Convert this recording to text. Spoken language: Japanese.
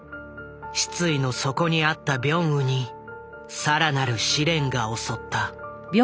失意の底にあったビョンウに更なる試練が襲った。